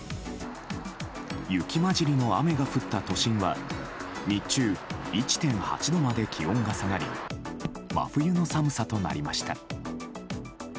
雪交じりの雨が降った都心は日中、１．８度まで気温が下がり真冬の寒さとなりました。